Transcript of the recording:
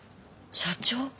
社長？